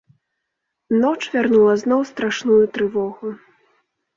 Ноч вярнула зноў страшную трывогу.